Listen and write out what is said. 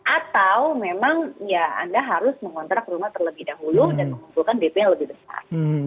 atau memang anda harus mengontrak rumah terlebih dahulu dan mengumpulkan bp yang lebih besar